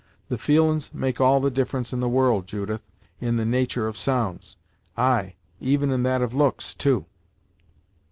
The feelin's make all the difference in the world, Judith, in the natur' of sounds; ay, even in that of looks, too."